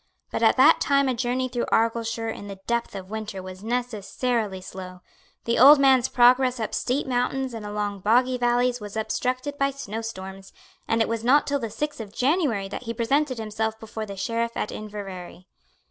But at that time a journey through Argyleshire in the depth of winter was necessarily slow. The old man's progress up steep mountains and along boggy valleys was obstructed by snow storms; and it was not till the sixth of January that he presented himself before the Sheriff at Inverary.